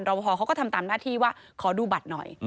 พอเขาก็ทำตามหน้าที่ว่าขอดูบัตรหน่อย